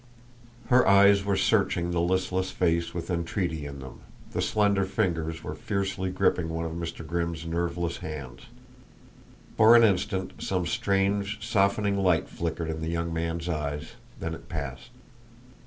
Her eyes were searching the listless face with entreaty in them; the slender fingers were fiercely gripping one of Mr. Grimm's nerveless hands. For an instant some strange, softening light flickered in the young man's eyes, then it passed.